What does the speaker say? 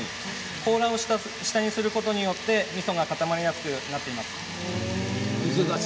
甲羅を下にすることでみそが固まりにくくなっています。